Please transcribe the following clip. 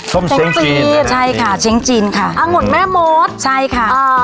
เชงซีนใช่ค่ะเชียงจีนค่ะองุ่นแม่มดใช่ค่ะอ่า